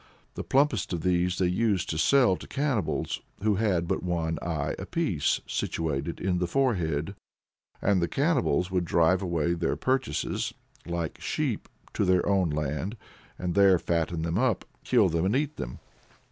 The plumpest of these they used to sell to cannibals who had but one eye apiece, situated in the forehead. And the cannibals would drive away their purchases, like sheep, to their own land, and there fatten them up, kill them, and eat them.